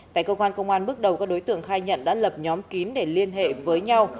tại cơ quan công an bước đầu các đối tượng khai nhận đã lập nhóm kín để liên hệ với nhau